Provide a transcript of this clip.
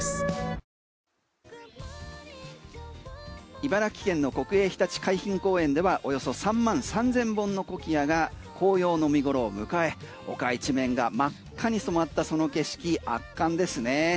茨城県の国営ひたち海浜公園ではおよそ３万３０００本のコキアが紅葉の見頃を迎え、丘一面が真っ赤に染まったその景色圧巻ですね。